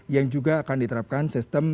yang juga akan diterapkan sistem